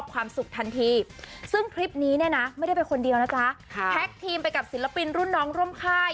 วันนี้แน่ไม่ได้ไปคนเดียวนะจ๊ะแพ็คทีมไปกับศิลปินรุ่นน้องร่มค่าย